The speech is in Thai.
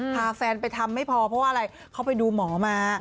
พาแฟนไปทำไม่พอเพราะว่าอะไรเขาไปดูหมอมา